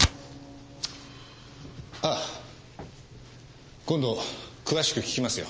あ今度詳しく聞きますよ。